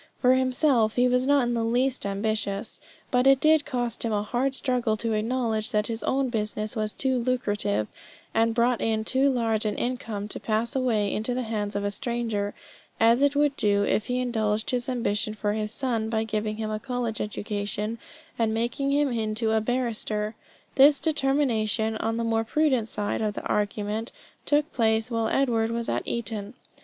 For himself he was not in the least ambitious, but it did cost him a hard struggle to acknowledge that his own business was too lucrative, and brought in too large an income, to pass away into the hands of a stranger, as it would do if he indulged his ambition for his son by giving him a college education and making him into a barrister. This determination on the more prudent side of the argument took place while Edward was at Eton.